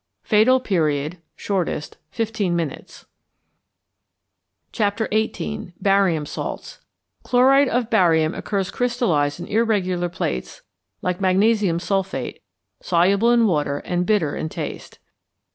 Fatal Period (Shortest). Fifteen minutes. XVIII. BARIUM SALTS =Chloride of Barium= occurs crystallized in irregular plates, like magnesium sulphate, soluble in water and bitter in taste.